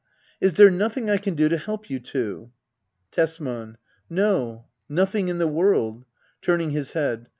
Is there nothing I can do to help you two ? Tesman. No, nothing in the world. [Turning his head.